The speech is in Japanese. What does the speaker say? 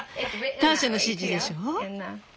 ターシャの指示でしょ？